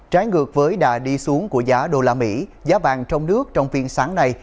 trái ngược với đà đi xuống của giá đô la mỹ giá vàng trong nước trong phiên sáng nay